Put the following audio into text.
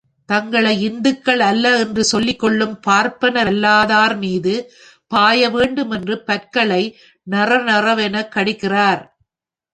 தங்களை இந்துக்கள் அல்ல என்று சொல்லிக் கொள்ளும் பார்ப்பனரல்லாதார் மீது பாய வேண்டும் என்று பற்களை நறநறவெனக் கடிக்கிறார்.